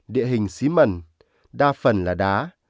địa hình xí mần đa phần là đá